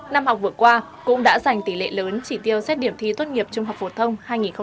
năm học vừa qua cũng đã giành tỷ lệ lớn chỉ tiêu xét điểm thi tốt nghiệp trung học phổ thông hai nghìn hai mươi